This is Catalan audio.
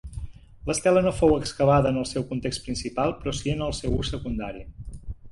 L'estela no fou excavada en el seu context principal, però sí en el seu ús secundari.